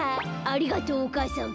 「ありがとうお母さん。